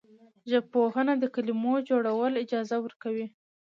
ژبپوهنه د کلمو جوړول اجازه ورکوي.